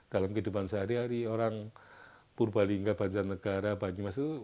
dalam kehidupan sehari hari orang purbalingga banjarnegara banyumas itu